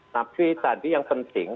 tapi tadi yang penting